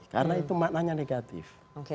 karena itu maknanya negatif